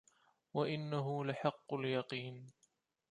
وَإِنَّهُ لَحَقُّ اليَقينِ